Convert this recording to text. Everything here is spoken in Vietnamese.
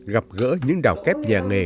gặp gỡ những đào kép nhà nghề